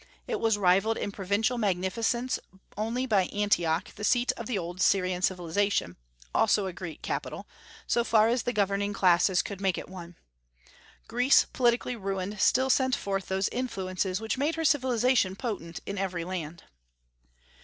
It was rivalled in provincial magnificence only by Antioch, the seat of the old Syrian civilization, also a Greek capital, so far as the governing classes could make it one. Greece, politically ruined, still sent forth those influences which made her civilization potent in every land.